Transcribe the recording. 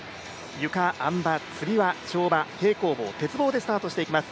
ゆか、あん馬、つり輪、跳馬、平行棒、鉄棒でスタートしていきます。